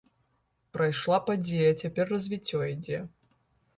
Прайшла падзея, цяпер развіццё ідзе.